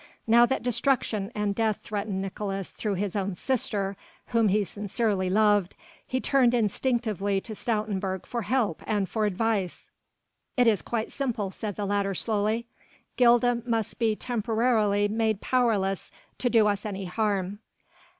Now that destruction and death threatened Nicolaes through his own sister whom he sincerely loved he turned instinctively to Stoutenburg for help and for advice. "It is quite simple," said the latter slowly. "Gilda must be temporarily made powerless to do us any harm."